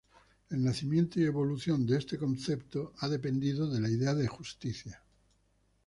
El nacimiento y evolución de este concepto ha dependido de la idea de justicia.